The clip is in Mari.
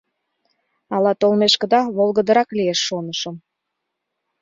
— Ала толмешкыда волгыдырак лиеш, шонышым.